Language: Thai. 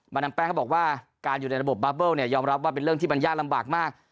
ดามแป้งเขาบอกว่าการอยู่ในระบบบาร์เบิ้ลเนี่ยยอมรับว่าเป็นเรื่องที่มันยากลำบากมาก